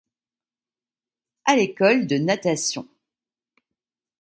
A l’école de natation.